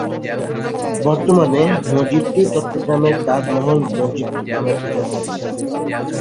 বর্তমানে মসজিদটি চট্টগ্রামের তাজমহল মসজিদ নামে খ্যাত হয়েছে।